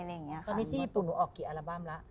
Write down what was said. ตอนนี้ที่ญี่ปุ่นหนูออกกี่อัลบั้มแล้ว